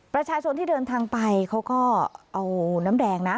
ประชาชนที่เดินทางไปเขาก็เอาน้ำแดงนะ